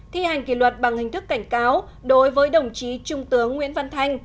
thi hành kỷ luật bằng hình thức cảnh cáo đối với đồng chí trung tướng nguyễn văn thanh